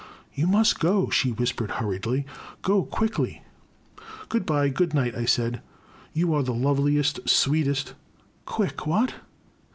You must go !" she whispered hurriedly, — go quickly !"Good bye, — good night," I said, you are the loveliest, sweetest "Quick,— what?"